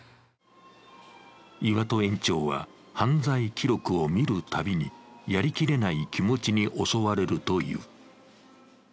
岩戸園長は犯罪記録を見るたびにやりきれない気持ちに襲われるという。